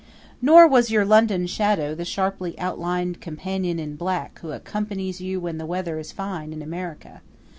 Nor was your London shadow the sharply outlined companion in black who accompanies you when the weather is fine in America.